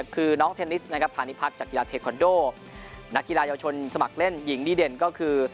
คือน้องเทนนิสนะครับพาณิพักษ์จากกีฬาเทคอนโดนักกีฬาเยาวชนสมัครเล่นหญิงดีเด่นก็คือ